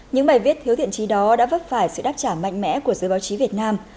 những bài viết thiếu thiện trí đó đã vấp phải sự đáp trả mạnh mẽ của giới báo chí việt nam